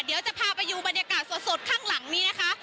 เดี๋ยวจะพาไปดูบรรยากาศสดข้างหลังนี้นะคะ